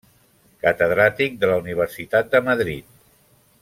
Catedràtic de la Universitat de Madrid.